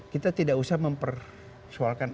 kita tidak usah mempersoalkan